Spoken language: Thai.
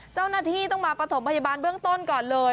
เจ้าหน้าที่ต้องมาประถมพยาบาลเบื้องต้นก่อนเลย